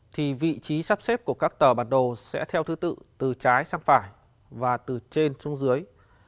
thì vị trí sắp xếp của các tờ bản đồ sẽ theo thứ tự từ trái sang phải và từ trên xuống dưới